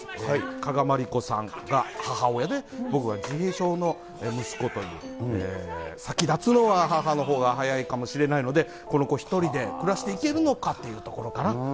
加賀まりこさんが母親で、僕が自閉症の息子という、先立つのは母のほうが早いかもしれないので、この子１人で暮らしていけるのかというところかな。